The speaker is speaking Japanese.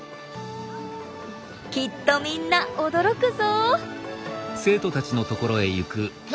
きっとみんな驚くぞ！